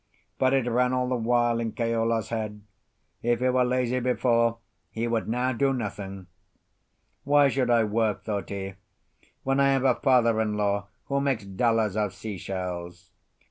But it ran all the while in Keola's head—if he were lazy before, he would now do nothing. "Why should I work," thought he, "when I have a father in law who makes dollars of sea shells?"